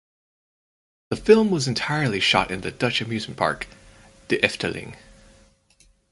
The film was entirely shot in the Dutch amusement park De Efteling.